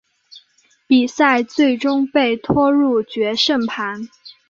比赛最终被拖入决胜盘。